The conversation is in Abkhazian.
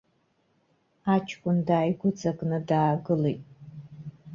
Аҷкәын дааигәыҵакны даагылеит.